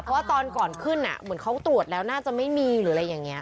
เพราะว่าตอนก่อนขึ้นเหมือนเขาตรวจแล้วน่าจะไม่มีหรืออะไรอย่างนี้